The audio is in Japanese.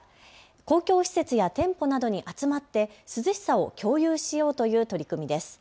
公共施設や店舗などに集まって涼しさを共有しようという取り組みです。